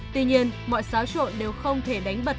tuy nhiên mọi xáo trộn đều không thể đánh bật